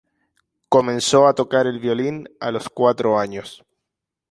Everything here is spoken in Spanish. Comenzó a tocar el violín a los cuatro años.